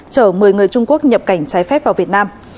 chở một mươi người trung quốc nhập cảnh trái phép vào việt nam